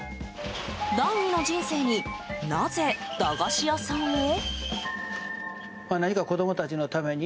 第２の人生になぜ駄菓子屋さんを？